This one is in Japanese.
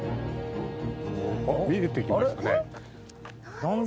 見えてきましたね。